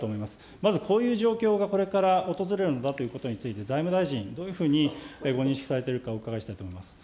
まずこういう状況が、これから訪れるのだということについて、財務大臣、どういうふうにご認識されているか、お伺いしたいと思います。